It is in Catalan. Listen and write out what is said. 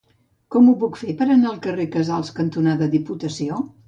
Com ho puc fer per anar al carrer Casals cantonada Diputació?